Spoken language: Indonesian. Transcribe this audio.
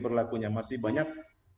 berlakunya masih banyak